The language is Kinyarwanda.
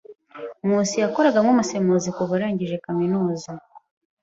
Nkusi yakoraga nk'umusemuzi kuva arangije kaminuza.